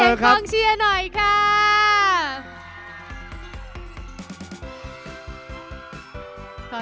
ขอเสียงคล่องเชียร์หน่อยค่า